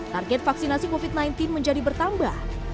target vaksinasi covid sembilan belas menjadi bertambah